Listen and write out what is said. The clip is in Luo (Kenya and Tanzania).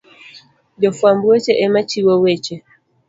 Jofwamb weche ema chiwo weche